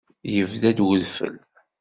Yebda-d wedfel.